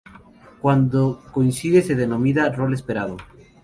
Cuando coincide se denomina rol esperado.